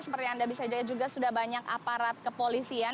seperti anda bisa lihat juga sudah banyak aparat kepolisian